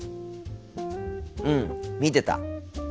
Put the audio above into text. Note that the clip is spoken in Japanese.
うん見てた。